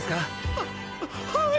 はっはい！